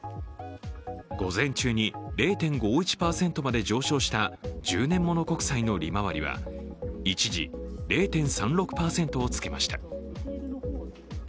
午前中に０．５１％まで上昇した１０年もの国債は一時、０．３６％をつけました。